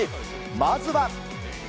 まずは。